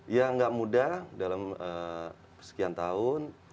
ya nggak mudah dalam sekian tahun